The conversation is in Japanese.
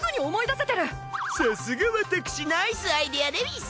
さすが私ナイスアイデアでうぃす。